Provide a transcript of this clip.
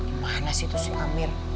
di mana sih itu si amir